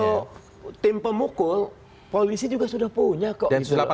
kalau tim pemukul polisi juga sudah punya kok